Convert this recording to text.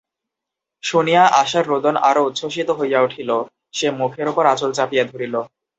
শুনিয়া আশার রোদন আরো উচ্ছ্বসিত হইয়া উঠিল–সে মুখের উপর আঁচল চাপিয়া ধরিল।